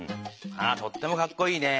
あとってもかっこいいね。